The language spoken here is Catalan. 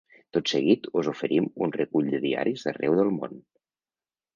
Tot seguit us oferim un recull de diaris d’arreu del món.